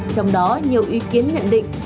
trong đó nhiều ý kiến nhận định